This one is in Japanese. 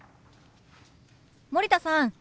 森田さん